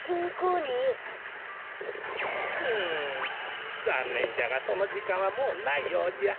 うんざんねんじゃがそのじかんはもうないようじゃ。